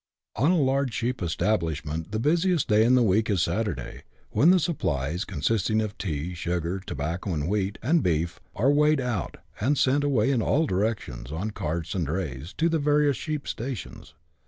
On a large sheep establishment the busiest day in the week is Saturday, when the supplies, consisting of tea, sugar, tobacco, wheat, and beef, are weighed out, and sent away in all directions, on carts and drays, to the various sheep stations.